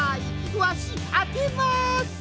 わしあけます！